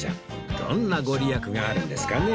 どんなご利益があるんですかね？